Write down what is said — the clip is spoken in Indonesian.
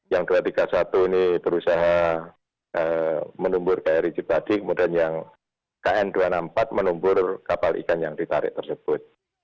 yang dua ratus tiga puluh satu ini berusaha menumbur kri cipadi kemudian yang kn dua ratus enam puluh empat menumbur kapal ikan yang ditarik tersebut